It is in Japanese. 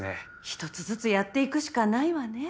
一つずつやっていくしかないわね。